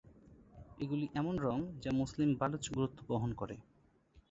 এগুলি এমন রঙ যা মুসলিম বালুচ গুরুত্ব বহন করে।